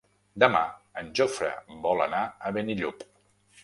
Demà en Jofre vol anar a Benillup.